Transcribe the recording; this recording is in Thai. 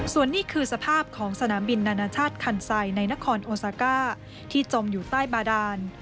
ส่วนนี้คือสภาพของสนามบินนานาชาติคันไซในนครโอซาก้าที่จมอยู่ใต้บาดาน